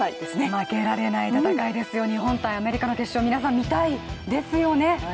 負けられない戦いですよ、日本×アメリカの決勝、皆さん見たいですよね。